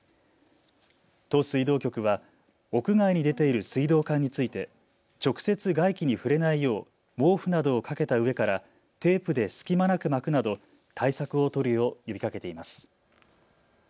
都水道局は屋外に出ている水道管について直接、外気に触れないよう毛布などをかけた上からテープで隙間なく巻くなど対策を取るよう呼びかけています。